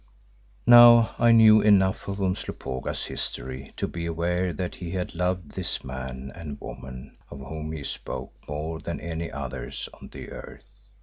Now I knew enough of Umslopogaas's history to be aware that he had loved this man and woman of whom he spoke more than any others on the earth.